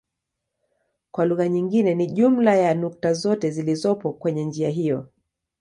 Kwa lugha nyingine ni jumla ya nukta zote zilizopo kwenye njia hiyo.